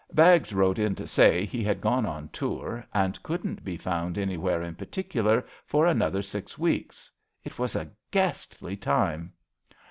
Baggs wrote in to say he had gone on tour and couldn't be found anywhere in particular for another six weeks. It was a ghastly time.